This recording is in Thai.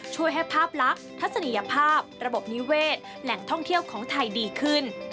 ช่วยให้ภาพลักษณ์ทัศนียภาพระบบนิเวศแหล่งท่องเที่ยวของไทยดีขึ้น